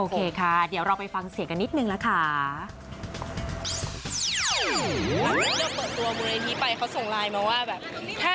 ค่ะเดี๋ยวเราไปฟังเสียงกันนิดนึงละค่ะ